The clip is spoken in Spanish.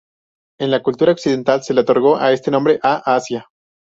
En la cultura occidental se le otorgó este nombre a Asia.